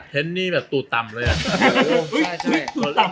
เห็นนี่แบบตัวต่ำเลยอะ